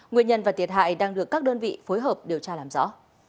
nguyên nhân và thiệt hại đang được các đơn vị phối hợp điều tra làm rõ